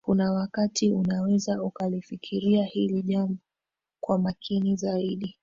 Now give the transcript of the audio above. kuna wakati unaweza ukalifikiria hili jambo kwa makini zaidi